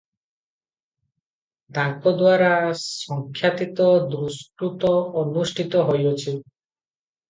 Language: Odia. ତାଙ୍କଦ୍ୱାରା ସଂଖ୍ୟାତୀତ ଦୁଷ୍କୃତ ଅନୁଷ୍ଠିତ ହୋଇଅଛି ।